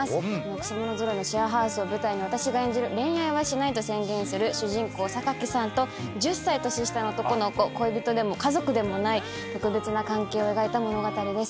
くせ者揃いのシェアハウスを舞台に私が演じる恋愛はしないと宣言する主人公榊さんと１０歳年下の男の子恋人でも家族でもない特別な関係を描いた物語です。